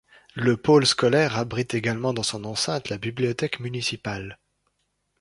Le pôle scolaire abrite également dans son enceinte la bibliothèque municipale.